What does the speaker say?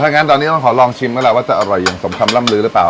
งั้นตอนนี้ต้องขอลองชิมแล้วล่ะว่าจะอร่อยอย่างสมคำล่ำลือหรือเปล่า